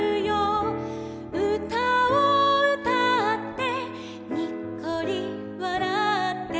「うたをうたってにっこりわらって」